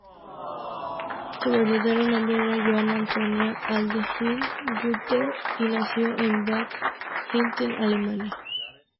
Su verdadero nombre era Johanna Antonia Adelheid Günther, y nació en Bad Kissingen, Alemania.